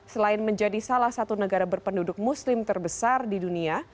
selain menjadi salah satu negara berpenduduk muslim terbesar di dunia